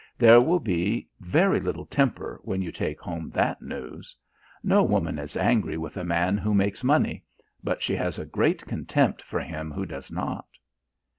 There will be very little temper when you take home that news. No woman is angry with a man who makes money, but she has a great contempt for him who does not."